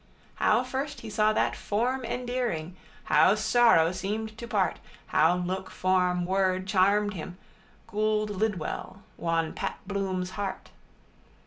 How first he saw that form endearing, how sorrow seemed to part, how look, form, word charmed him Gould Lidwell, won Pat Bloom's heart.